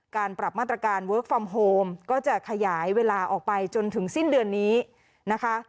การปรับมาตรการเวิร์คฟอร์มโฮมก็จะขยายเวลาออกไปจนถึงสิ้นเดือนนี้นะคะ